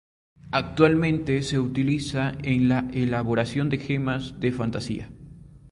Actualmente se utiliza en la elaboración de gemas de fantasía.